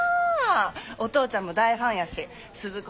お父ちゃんも大ファンやしスズ子